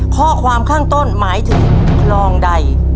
ข้อความข้างต้นหมายถึงคลองใด